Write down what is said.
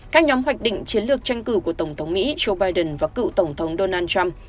các nhóm hoạch định chiến lược tranh cử của tổng thống mỹ joe biden và cựu tổng thống donald trump